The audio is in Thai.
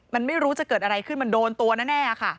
มันไม่รู้จะเกิดอะไรขึ้นมันโดนตัวแน่ค่ะ